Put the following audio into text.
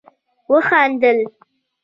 وخندله